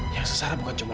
yang sesara bukan cuma